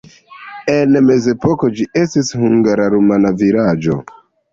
En mezepoko ĝi estis hungara-rumana vilaĝo.